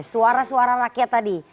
suara suara rakyat tadi